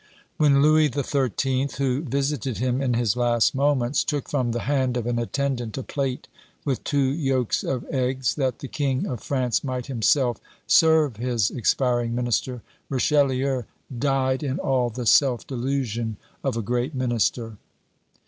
When Louis the Thirteenth, who visited him in his last moments, took from the hand of an attendant a plate with two yolks of eggs, that the King of France might himself serve his expiring minister, Richelieu died in all the self delusion of a great minister.